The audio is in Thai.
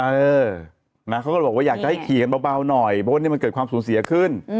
เออนะเขาก็เลยบอกว่าอยากจะให้เขียนเบาหน่อยเพราะว่านี่มันเกิดความสูญเสียขึ้น